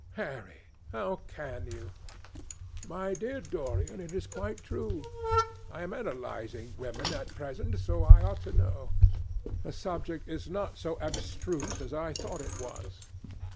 "Harry, how can you?" "My dear Dorian, it is quite true. I am analysing women at present, so I ought to know. The subject is not so abstruse as I thought it was.